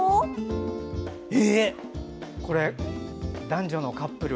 男女のカップル？